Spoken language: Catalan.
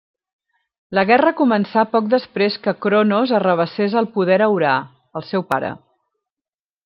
La guerra començà poc després que Cronos arrabassés el poder a Urà, el seu pare.